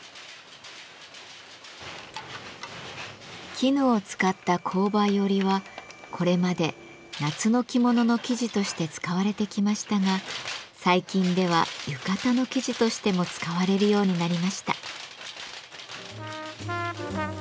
絹を使った紅梅織はこれまで夏の着物の生地として使われてきましたが最近では浴衣の生地としても使われるようになりました。